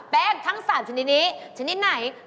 แป้งทั้ง๓ชีวิตนี้ชนิดไหน